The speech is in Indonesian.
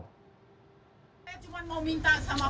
saya cuma mau minta sama pak luhut ya ini tidak boleh dihentikan